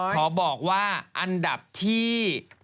ขอบอกว่าอันดับที่